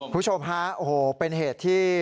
คุณผู้ชมฮะโอ้โหเป็นเหตุที่